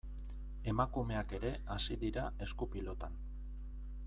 Emakumeak ere hasi dira esku-pilotan.